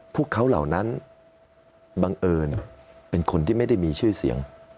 พวกเขาเหล่านั้นบังเอิญเป็นคนที่ไม่ได้มีชื่อเสียง